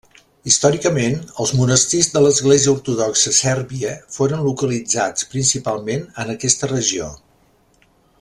Històricament, els monestirs de l'Església ortodoxa sèrbia foren localitzats principalment en aquesta regió.